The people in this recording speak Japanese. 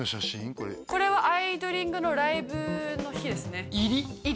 これこれはアイドリング！！！のライブの日ですね入り？